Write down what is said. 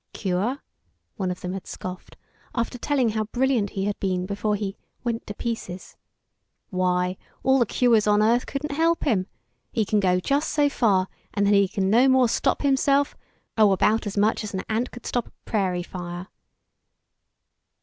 "Cure?" one of them had scoffed, after telling how brilliant he had been before he "went to pieces" "why all the cures on earth couldn't help him! He can go just so far, and then he can no more stop himself oh, about as much as an ant could stop a prairie fire!"